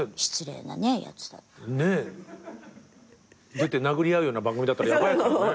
出て殴り合うような番組だったらヤバいもんね。